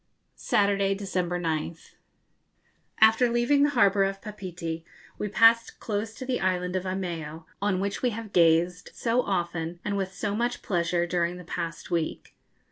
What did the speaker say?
_ Saturday, December 9th. After leaving the harbour of Papeete we passed close to the island of Eimeo, on which we have gazed so often and with so much pleasure during the past week.